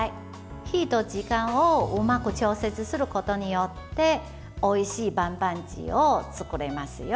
火と時間をうまく調節することによっておいしいバンバンジーを作れますよ。